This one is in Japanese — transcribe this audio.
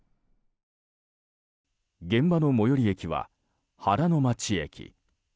現場の最寄り駅は、原ノ町駅。